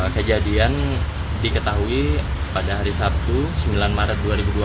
kejadian diketahui pada hari sabtu sembilan maret dua ribu dua puluh